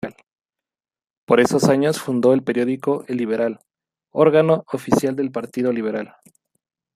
Por esos años fundó el periódico "El Liberal", órgano oficial del Partido Liberal.